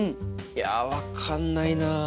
いや分かんないな。